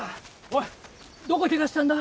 おいどこケガしたんだ？